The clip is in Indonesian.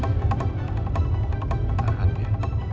adil adil adil